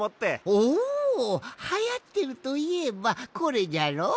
おおはやっているといえばこれじゃろ！